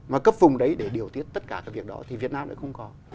mà cấp vùng đấy để điều tiết tất cả cái việc đó thì việt nam lại không có